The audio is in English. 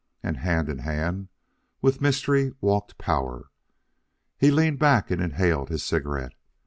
And hand in hand with mystery walked Power. He leaned back and inhaled his cigarette.